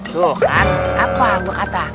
tuh kan apa lu kata